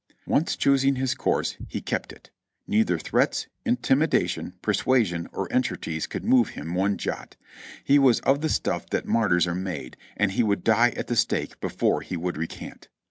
Once choosing his course, he kept it; neither threats, intimi dation, persuasion or entreaties could move him one jot; he was of the stuff that martyrs are made, and he would die at the stake before he would recant.